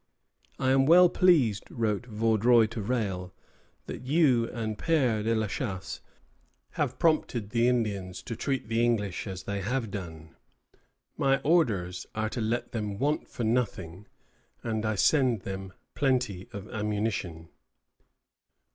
"I am well pleased," wrote Vaudreuil to Rale, "that you and Père de la Chasse have prompted the Indians to treat the English as they have done. My orders are to let them want for nothing, and I send them plenty of ammunition."